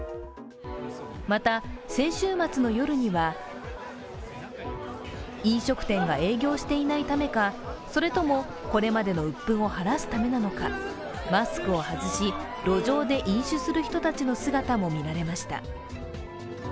また、先週末の夜には、飲食店が営業していないためか、それともこれまでのうっ憤を晴らすためなのか、マスクを外し、路上で飲酒する人たちの姿も見られました。